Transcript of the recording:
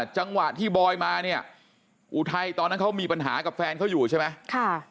จังหวะที่บอยมาเนี่ยอุทัยตอนนั้นเขามีปัญหากับแฟนเขาอยู่ใช่ไหม